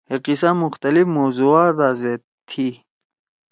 ہے قصہ مختلف موضوعات دا زید تھی۔